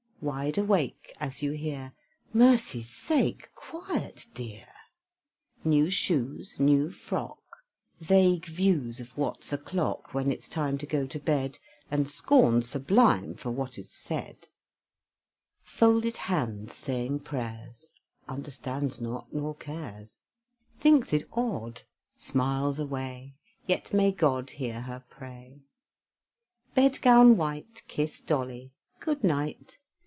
Wide a wake; as you hear, "Mercy's sake, quiet, dear!" New shoes, new frock; Vague views of what's o'clock When it's time to go to bed, And scorn sublime for what is said Folded hands, saying prayers, Understands not nor cares Thinks it odd, smiles away; Yet may God hear her pray! Bed gown white, kiss Dolly; Good night!